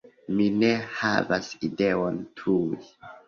Mi ne havas ideon tuj.